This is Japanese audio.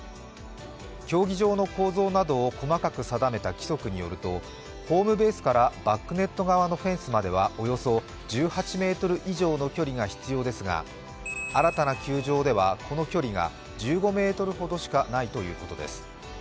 競技場の構造などを細かく定めた規則によるとホームベースからバックネット側のフェンスまではおよそ１８ｍ以上の距離が必要ですが新たな球場では、この距離が１５ｍほどしかないということです。